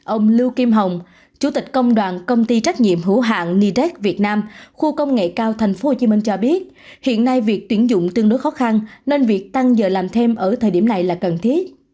ông lưu kim hồng chủ tịch công đoàn công ty trách nhiệm hữu hạng nidec việt nam khu công nghệ cao tp hcm cho biết hiện nay việc tuyển dụng tương đối khó khăn nên việc tăng giờ làm thêm ở thời điểm này là cần thiết